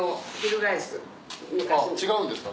違うんですか？